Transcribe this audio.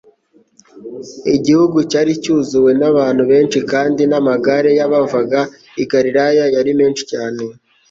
Igihugu cyari cyuzuwe n'abantu benshi kandi n'amagare y'abavaga i Galilaya yari menshi cyane.